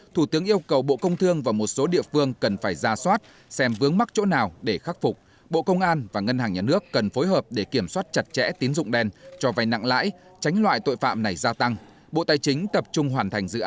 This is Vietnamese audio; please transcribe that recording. thủ tướng yêu cầu cần phải đẩy mạnh vốn đầu tư công đạt mức giải ngân cao nhất trong tháng một mươi hai đến hết tháng một mươi hai